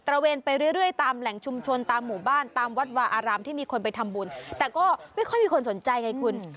ระเวนไปเรื่อยตามแหล่งชุมชนตามหมู่บ้านตามวัดวาอารามที่มีคนไปทำบุญแต่ก็ไม่ค่อยมีคนสนใจไงคุณ